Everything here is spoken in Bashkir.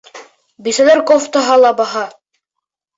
Бисәләр кофтаһы ла баһа!